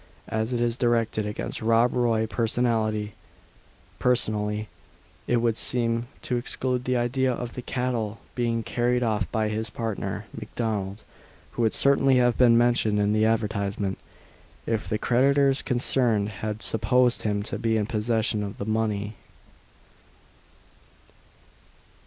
As it is directed against Rob Roy personally, it would seem to exclude the idea of the cattle being carried off by his partner, MacDonald, who would certainly have been mentioned in the advertisement, if the creditors concerned had supposed him to be in possession of the money.